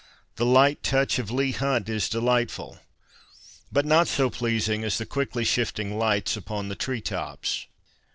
The light touch of Leigh Hunt is delightful, but not so pleasing as the quickly shifting lights upon the tree tops.